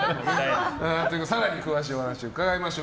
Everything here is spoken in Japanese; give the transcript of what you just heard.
更に詳しいお話伺いましょう。